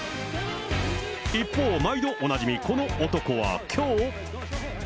一方、まいどおなじみ、この男はきょう。